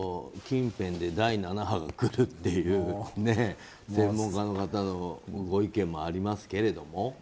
近辺で第７波が来るという専門家の方のご意見もありますけれども。